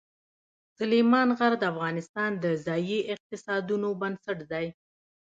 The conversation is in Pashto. سلیمان غر د افغانستان د ځایي اقتصادونو بنسټ دی.